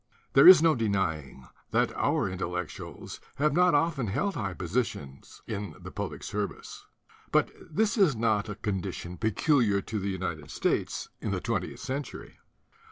There is no denying that our Intellectuals have not of ten held high position in the public service. But this is not a condition peculiar to the United States in the twentieth century.